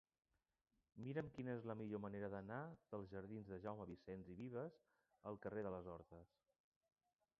Mira'm quina és la millor manera d'anar dels jardins de Jaume Vicens i Vives al carrer de les Hortes.